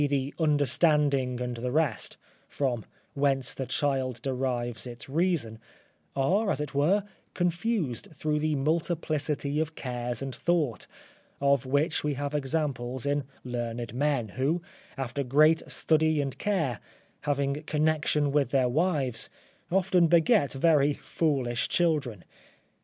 the understanding and the rest (from whence the child derives its reason) are, as it were, confused through the multiplicity of cares and thought; of which we have examples in learned men, who, after great study and care, having connection with their wives, often beget very foolish children.